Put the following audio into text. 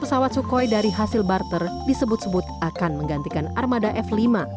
pesawat sukhoi dari hasil barter disebut sebut akan menggantikan armada f lima